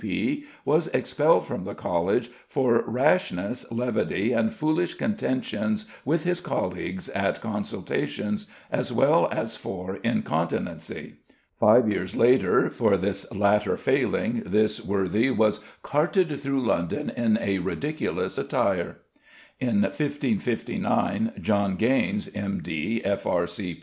C.P., was expelled from the College for "rashness, levity, and foolish contentions with his colleagues at consultations, as well as for incontinency." Five years later, for this latter failing, this worthy "was carted through London in a ridiculous attire." In 1559, John Geynes, M.D., F.R.